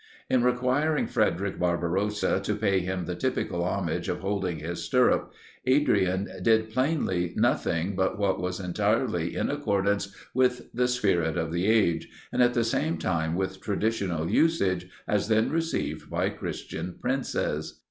In requiring Frederic Barbarossa to pay him the typical homage of holding his stirrup, Adrian did plainly nothing but what was entirely in accordance with the spirit of the age, and, at the same time, with traditional usage, as then received by Christian princes.